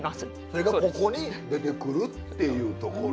それがここに出てくるっていうところ。